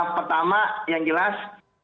pertama yang jelas